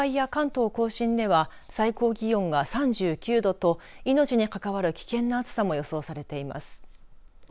一方、東海や関東甲信では最高気温が３９度と命に関わる危険な暑さも予想されています。